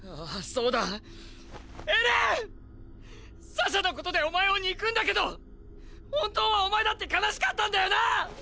サシャのことでお前を憎んだけど本当はお前だって悲しかったんだよな